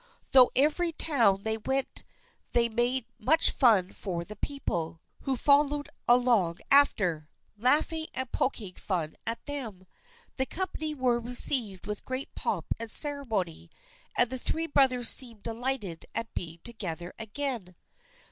Through every town they went they made much fun for the people, who followed along after, laughing and poking fun at them. The company were received with great pomp and ceremony, and the three brothers seemed delighted at being together again.